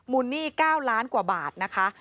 นหนี้๙ล้านกว่าบาทนะคะ